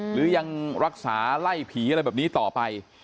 หรือยังรักษาไล่ผีอะไรแบบนี้ต่อไป